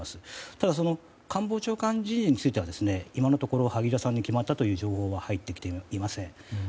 ただ、官房長官人事については今のところ、萩生田さんに決まったという情報は入ってきていません。